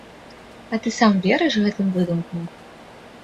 А ты сам верыш гэтым выдумкам?